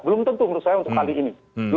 belum tentu menurut saya untuk kali ini